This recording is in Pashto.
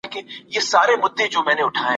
پخوا د سرعت معلومولو لپاره کومه وسیله نه وه.